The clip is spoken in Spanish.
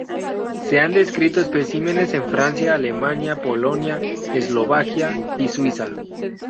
Se han descrito especímenes en Francia, Alemania, Polonia, Eslovaquia y Suiza.